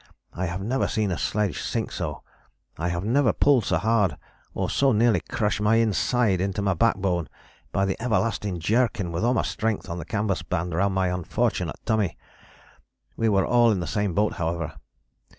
I have never seen a sledge sink so. I have never pulled so hard, or so nearly crushed my inside into my backbone by the everlasting jerking with all my strength on the canvas band round my unfortunate tummy. We were all in the same boat however.